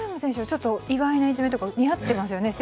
ちょっと意外な一面というか似合っていますよね。